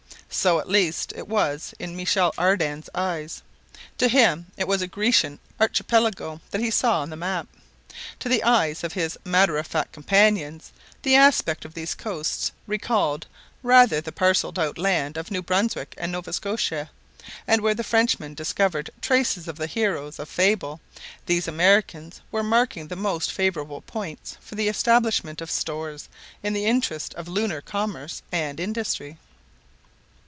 So at least it was in Michel Ardan's eyes. To him it was a Grecian archipelago that he saw on the map. To the eyes of his matter of fact companions, the aspect of these coasts recalled rather the parceled out land of New Brunswick and Nova Scotia, and where the Frenchman discovered traces of the heroes of fable, these Americans were marking the most favorable points for the establishment of stores in the interests of lunar commerce and industry.